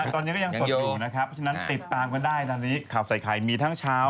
ตอนเย็นก็ยังสดอยู่ตามกันได้ข้าวใส่ไขมีทั้งเช้า